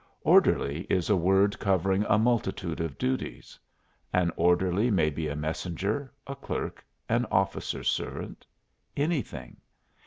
"Orderly" is a word covering a multitude of duties. An orderly may be a messenger, a clerk, an officer's servant anything.